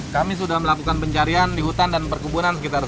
kami sudah melakukan pencarian di hutan dan perkebunan sekitar